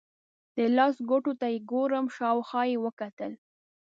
د لاس ګوتو ته یې ګورم، شاوخوا یې وکتل.